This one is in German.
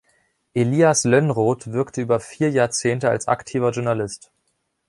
Elias Lönnrot wirkte über vier Jahrzehnte als aktiver Journalist.